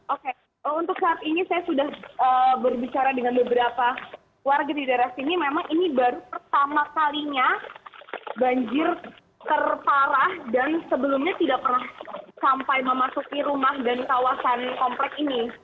oke untuk saat ini saya sudah berbicara dengan beberapa warga di daerah sini memang ini baru pertama kalinya banjir terparah dan sebelumnya tidak pernah sampai memasuki rumah dan kawasan komplek ini